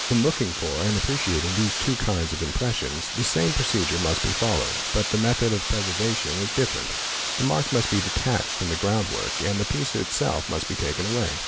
In looking for and appreciating these two kinds of impressions the "same procedure must be followed; but the method of preservation is different: the mark must be detached from the ground work and the piece itself must be taken away.